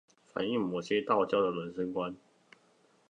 反映某些道教的人生觀